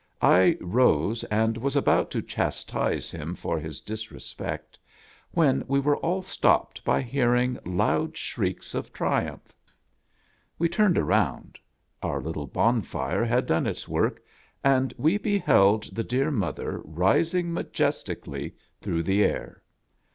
I rose, and was about to chastise him for his disrespect, when we were all stopped by hearing loud shrieks of triumph. We turned around. Our little bonfire had done its work, and we beheld the dear mother rising majesti cally through the air.